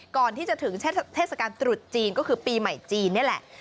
ก่อนที่จะถึงเทศกาลตรุษจีนก็คือปีใหม่จีนนี่แหละ